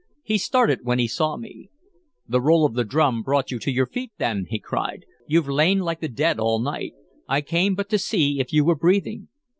He started when he saw me. "The roll of the drum brought you to your feet, then!" he cried. "You've lain like the dead all night. I came but to see if you were breathing."